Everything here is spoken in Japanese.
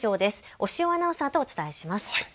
押尾アナウンサーとお伝えします。